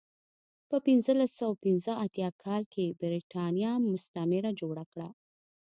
په پنځلس سوه پنځه اتیا کال کې برېټانیا مستعمره جوړه کړه.